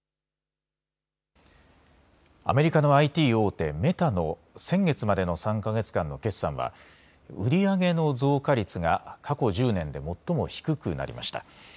アメリカのＩＴ大手、メタの先月までの３か月間の決算は売り上げの増加率が過去１０年で最も低くなりました。